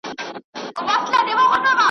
انګور خوندورې مېوې دي.